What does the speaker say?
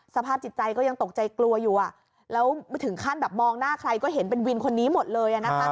สภาพจิตใจก็ยังตกใจกลัวอยู่แล้วถึงขั้นแบบมองหน้าใครก็เห็นเป็นวินคนนี้หมดเลย